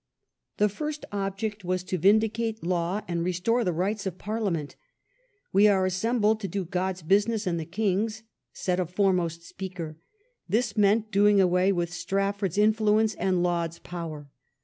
The first object was to vindicate law and restore the rights of Parliament. "We are assembled to do God's g^^j business and the king's," said a foremost measures of speaker: this meant doing away with Straf Reform. ford's influence and Laud's power.